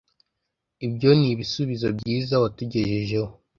Ibyo nibisubizo byiza watugejejeho.